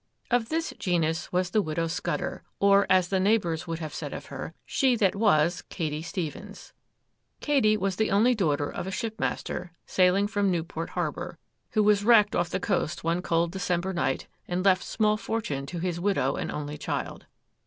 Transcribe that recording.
Of this genus was the Widow Scudder,—or, as the neighbours would have said of her, she that was Katy Stephens. Katy was the only daughter of a shipmaster, sailing from Newport harbour, who was wrecked off the coast one cold December night, and left small fortune to his widow and only child.